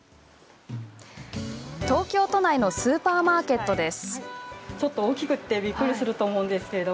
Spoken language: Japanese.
東京都内のスーパーマーケットです。